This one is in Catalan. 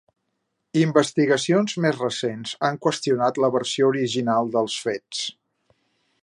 Investigacions més recents han qüestionat la versió original dels fets.